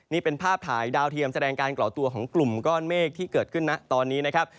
นี่เป็นภาพถ่ายดาวเทียมแสดงการก่อตัวของกลุ่มก้อนเมฆที่เกิดขึ้นนะตอนนี้นะครับ